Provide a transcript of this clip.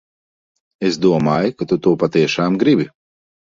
Es domāju, ka tu to patiešām gribi.